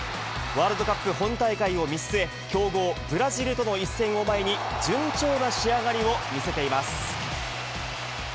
ワールドカップ本大会を見据え、強豪ブラジルとの一戦を前に、順調な仕上がりを見せています。